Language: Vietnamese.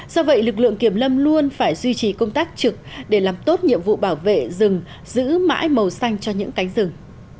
do vậy lực lượng kiểm lâm luôn phải duy trì công tác trực để làm tốt nhiệm vụ bảo vệ rừng giữ mãi màu xanh cho những cánh rừng